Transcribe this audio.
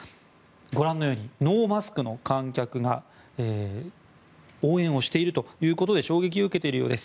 ご覧のようにノーマスクの観客が応援をしているということで衝撃を受けているようです。